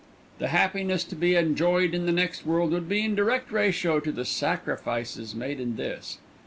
The happiness to be enjoyed in the next world would be in direct ratio to the sacrifices made in this.